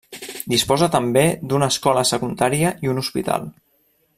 Disposa també d'una escola secundària i un hospital.